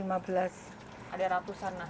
ada ratusan lah